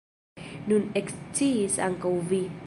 Nun eksciis ankaŭ vi.